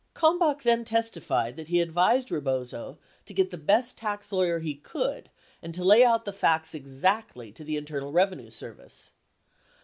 48 Kalmbach then testified that he advised Rebozo to get the best tax lawyer he could and to lay out the facts exactly to the Internal Reve nue Service.